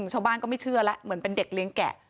ชาวบ้านก็ไม่เชื่อแล้วเหมือนเป็นเด็กเลี้ยงแกะ